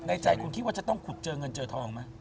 ใจคุณคิดว่าจะต้องขุดเจอเงินเจอทองไหม